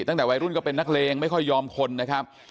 ตั้งแต่วัยรุ่นก็เป็นนักเลงไม่ค่อยยอมคนนะครับ